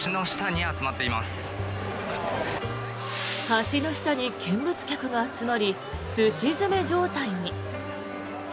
橋の下に見物客が集まりすし詰め状態に。